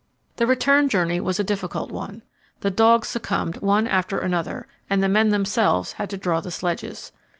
The return journey was a difficult one. The dogs succumbed one after another, and the men themselves had to draw the sledges.